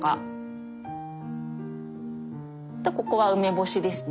ここは梅干しですね。